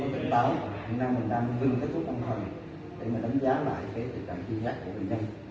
thì bây giờ mình đang vinh cái chút trong phần để mình đánh giá lại cái tình trạng tiền giáp của bệnh nhân